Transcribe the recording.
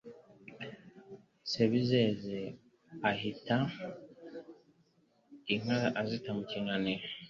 Sebizeze ahita inka azita mu kinani